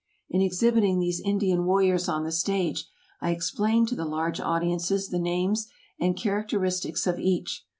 In exhibiting these Indian warriors on the stage, I explained to the large audiences the names and characteristics of each.